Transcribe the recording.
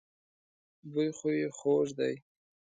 بوی خو يې خوږ دی.